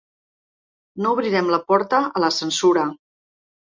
No obrirem la porta a la censura.